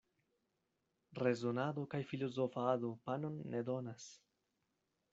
Rezonado kaj filozofado panon ne donas.